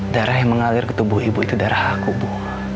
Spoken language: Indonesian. darah yang mengalir ke tubuh ibu itu darah aku bu